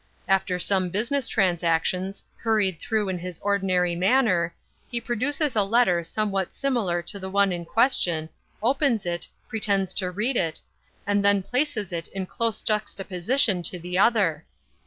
After some business transactions, hurried through in his ordinary manner, he produces a letter somewhat similar to the one in question, opens it, pretends to read it, and then places it in close juxtaposition to the other.